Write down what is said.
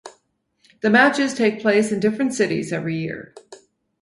The matches take place in different cities every year.